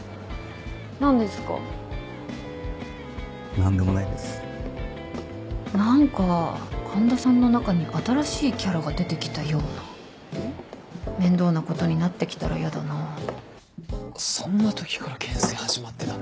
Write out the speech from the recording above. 何でもないです何か環田さんの中に新しいキャラが出てきたような面倒なことになってきたら嫌だなそんな時からけん制始まってたんだ。